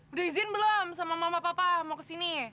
udah izin belum sama mama papa mau ke sini